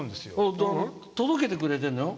届けてくれてるのよ。